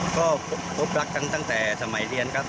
ก็พบรักกันตั้งแต่สมัยเรียนครับ